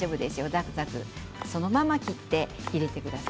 ザクザク切って入れてください。